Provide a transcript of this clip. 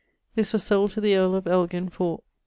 This was sold to the earle of Elgin for